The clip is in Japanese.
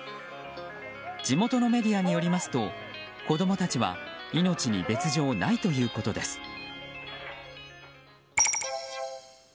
地元のメディアによりますと子供たちは命に別条ないということです。